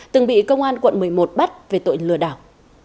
từng bị công an quận một mươi một bắt về tội lừa đảo